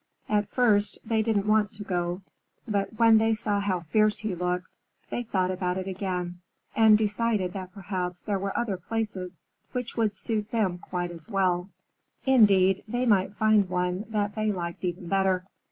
At first they didn't want to go, but when they saw how fierce he looked, they thought about it again and decided that perhaps there were other places which would suit them quite as well indeed, they might find one that they liked even better.